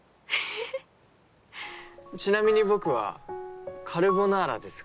ちなみに僕はカルボナーラですが。